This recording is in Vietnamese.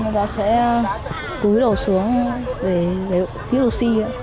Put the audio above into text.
cháu sẽ cúi đầu xuống để hít oxy